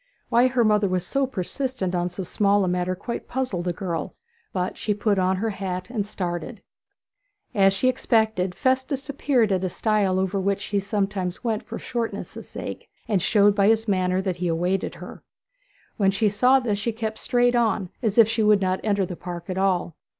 Why her mother was so persistent on so small a matter quite puzzled the girl; but she put on her hat and started. As she had expected, Festus appeared at a stile over which she sometimes went for shortness' sake, and showed by his manner that he awaited her. When she saw this she kept straight on, as if she would not enter the park at all.